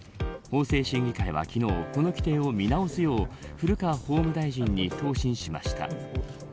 法制審議会は昨日この規定を見直すよう古川法務大臣に答申しました。